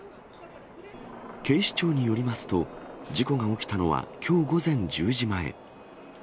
警視庁によりますと、事故が起きたのはきょう午前１０時前。